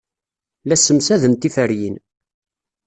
La ssemsaden tiferyin.